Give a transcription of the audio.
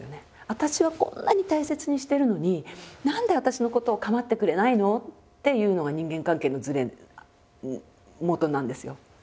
「私はこんなに大切にしてるのに何で私のことを構ってくれないの？」っていうのが人間関係のずれのもとなんですよ。